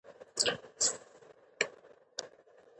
د ساینسي نومونو جالبوالی د پوهې قوت ته وده ورکوي.